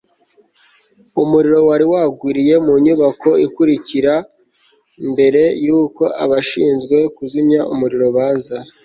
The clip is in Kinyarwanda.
umuriro wari wagwiriye mu nyubako ikurikira mbere yuko abashinzwe kuzimya umuriro baza